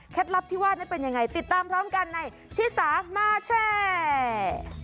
ลับที่ว่านั้นเป็นยังไงติดตามพร้อมกันในชิสามาแชร์